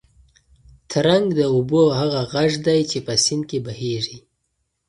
ترنګ د اوبو هغه غږ دی چې په سیند کې بهېږي.